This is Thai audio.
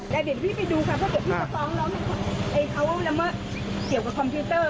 ได้เดี๋ยวพี่ไปดูค่ะเพราะเดี๋ยวพี่จะฟ้องแล้วไอ้เขาเกี่ยวกับคอมพิวเตอร์